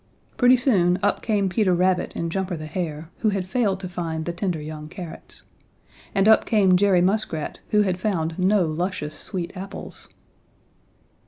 Pretty soon up came Peter Rabbit and Jumper the Hare, who had failed to find the tender young carrots. And up came Jerry Muskrat, who had found no luscious sweet apples.